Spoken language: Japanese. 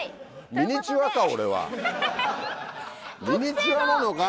ミニチュアなのか？